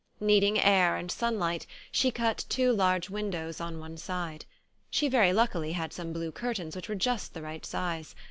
Needing air and sunlight, she cut two large win dows on one side. She very luckily had some blue curtains which were just the right size.